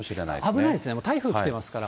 危ないですね、台風来ていますから。